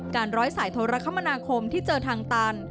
ร้อยสายโทรคมนาคมที่เจอทางตัน